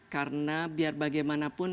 karena biar bagaimanapun